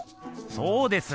そうです。